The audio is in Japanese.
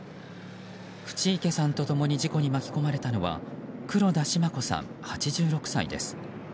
口池さんと共に事故に巻き込まれたのは黒田シマ子さん、８６歳です。